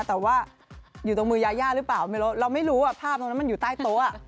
แต่ว่าอยู่ตรงมือยาย่าหรือเปล่าไม่รู้เราไม่รู้ว่าภาพตรงนั้นมันอยู่ใต้โต๊ะ